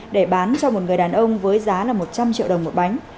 để bán cho một người đàn ông với giá là một trăm linh triệu đồng một bánh